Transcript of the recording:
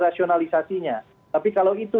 rasionalisasinya tapi kalau itu